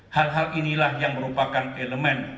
hal hal inilah yang merupakan elemen